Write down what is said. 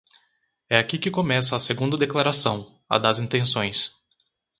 É aqui que começa a segunda declaração, a das intenções.